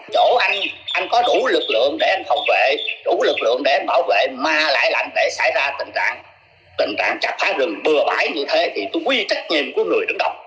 chỗ anh anh có đủ lực lượng để anh phòng vệ đủ lực lượng để anh bảo vệ ma lãi lạnh để xảy ra tình trạng chặt phá rừng bừa bãi như thế thì tôi quy trách nhiệm của người đứng đọc